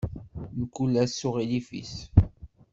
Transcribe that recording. Mkul ass s uɣilif-is.